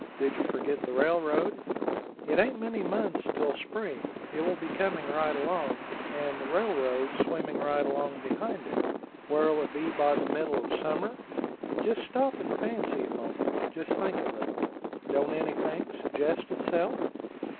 Did you forget the railroad? It ain't many months till spring; it will be coming right along, and the railroad swimming right along behind it. Where'll it be by the middle of summer? Just stop and fancy a moment just think a little don't anything suggest itself?